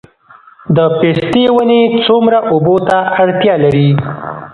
د پستې ونې څومره اوبو ته اړتیا لري؟